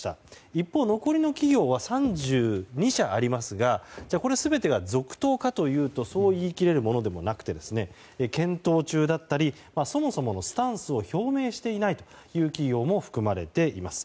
一方、残りの企業は３２社ありますがこれ全てが続投かというとそう言い切れるものではなくて検討中だったりそもそものスタンスを表明していないという企業も含まれています。